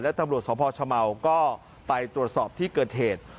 และตำรวจสมภชมัวก็ไปตรวจสอบที่เกิดเหตุ